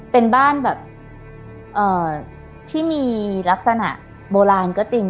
เป็นบ้านแบบที่มีลักษณะโบราณก็จริง